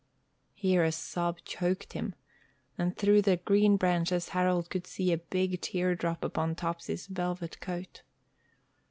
Here a sob choked him, and through the green branches Harold could see a big tear drop upon Topsy's velvet coat.